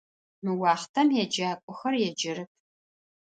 Мы уахътэм еджакӏохэр еджэрэп.